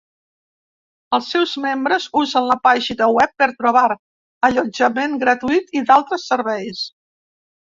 Els seus membres usen la pàgina web per trobar allotjament gratuït i d'altres serveis.